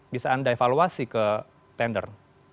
bisa anda evaluasi ke tender